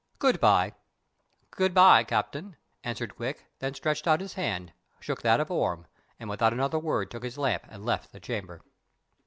Good bye!" "Good bye, Captain," answered Quick, then stretched out his hand, shook that of Orme, and without another word took his lamp and left the chamber.